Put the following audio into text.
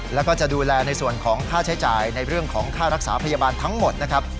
แล้วก็จะดูแลในส่วนของค่าใช้จ่ายในเรื่องของค่ารักษาพยาบาลทั้งหมดนะครับ